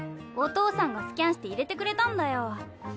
お父さんがスキャンして入れてくれたんだよ。